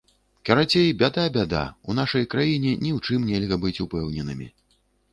Карацей, бяда-бяда, у нашай краіне ні ў чым нельга быць упэўненымі.